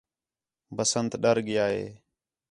بسنٹ ڈَر ڳِیا ہِے